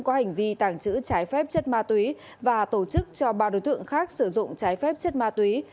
có hành vi tàng trữ trái phép chất ma túy và tổ chức cho ba đối tượng khác sử dụng trái phép chất ma túy